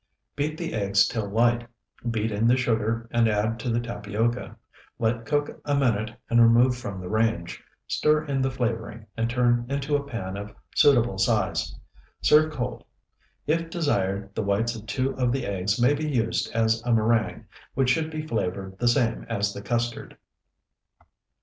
Beat the eggs till light; beat in the sugar, and add to the tapioca. Let cook a minute and remove from the range. Stir in the flavoring, and turn into a pan of suitable size. Serve cold. If desired, the whites of two of the eggs may be used as a meringue, which should be flavored the same as the custard.